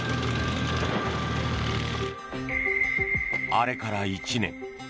あれから１年。